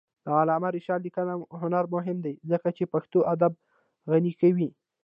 د علامه رشاد لیکنی هنر مهم دی ځکه چې پښتو ادب غني کوي.